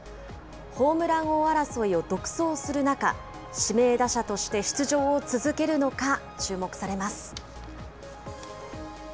ホームラン王争いを独走する中、指名打者として出場を続けるのか、注目されます。